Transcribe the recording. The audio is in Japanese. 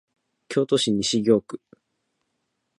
京都市西京区